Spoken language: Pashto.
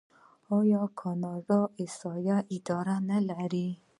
آیا کاناډا د احصایې اداره نلري؟